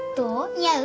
似合う？